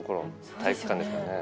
体育館ですからね。